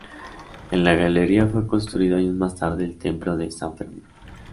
En la galería fue construido años más tarde el templo de San Fermín.